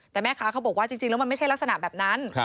แต่แม่ค้าเขาบอกว่าจริงแล้วมันไม่ใช่ลักษณะแบบนั้น